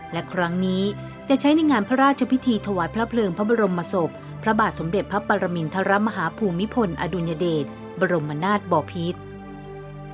และครั้งนี้จะใช้ในงานพระราชพิธีถวายพระเพลิงพระบรมศพพระบาทสมเด็จพระปรมินทรมาฮภูมิพลอดุญเดชบรมนาศบอพิษ